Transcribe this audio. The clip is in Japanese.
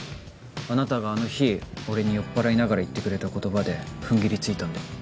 あなたがあの日俺に酔っ払いながら言ってくれた言葉でふんぎりついたんで。